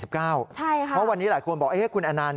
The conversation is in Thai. ใช่ค่ะเพราะวันนี้หลายคนบอกคุณแอนนา